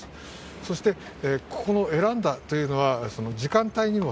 そしてここを選んだというのは、時間帯にも。